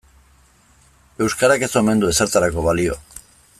Euskarak ez omen du ezertarako balio.